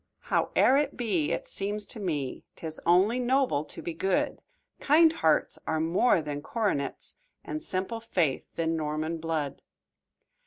"Howe'er it be, it seems to me 'Tis only noble to be good; Kind hearts are more than coronets, And simple faith than Norman blood."